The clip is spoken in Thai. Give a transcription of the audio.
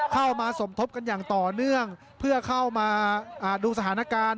เข้ามาสมทบกันอย่างต่อเนื่องเพื่อเข้ามาดูสถานการณ์